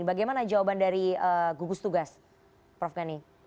bagaimana jawaban dari gugus tugas prof gani